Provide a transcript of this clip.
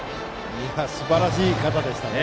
すばらしい肩でしたね。